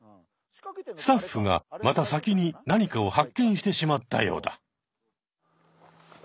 スタッフがまた先に何かを発見してしまったようだ。